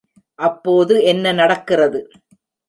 அப்போது என்ன நடக்கிறது?